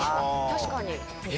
確かに。